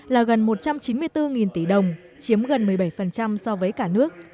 là gần một trăm chín mươi bốn tỷ đồng chiếm gần một mươi bảy so với cả nước